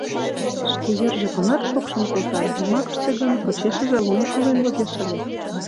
Шке йырже тунар шокшым колта, йомакыште гын, почешыже лум шулен возеш ыле.